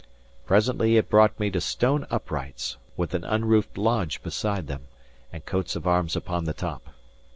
Presently it brought me to stone uprights, with an unroofed lodge beside them, and coats of arms upon the top.